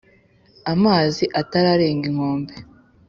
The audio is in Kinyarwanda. Amazi atararenga inkombe